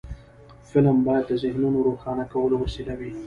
فلم باید د ذهنونو روښانه کولو وسیله وي